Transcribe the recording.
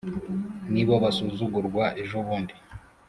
ni bo basuzugurwa ejobundi